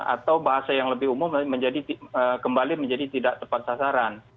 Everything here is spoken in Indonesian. atau bahasa yang lebih umum kembali menjadi tidak tepat sasaran